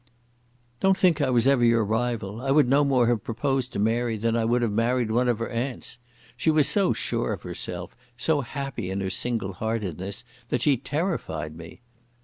"Don't think I was ever your rival. I would no more have proposed to Mary than I would have married one of her aunts. She was so sure of herself, so happy in her single heartedness that she terrified me.